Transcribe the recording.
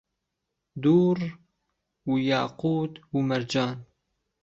دوڕڕ و یاقووت و مەرجان